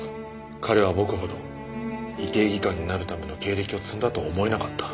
彼は僕ほど医系技官になるための経歴を積んだと思えなかった。